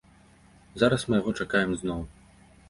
Зараз мы яго чакаем зноў.